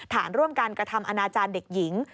ร่วมการกระทำอนาจารย์เด็กหญิง